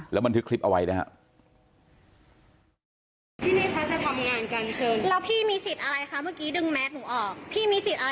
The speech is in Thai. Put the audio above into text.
แล้วมันทึกคลิปเอาไว้นะฮะ